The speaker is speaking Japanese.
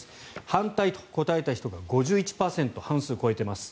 反対と答えた人が５１％半数を超えています。